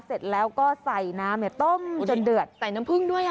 เสร็จแล้วก็ใส่น้ำต้มจนเดือดใส่น้ำผึ้งด้วย